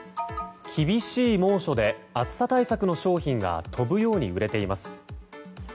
厳しい猛暑で暑さ対策の商品が飛ぶように売れています。